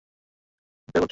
আমান তুমি চিৎকার করছো কেন?